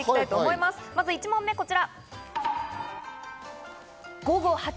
まず１問目、こちら。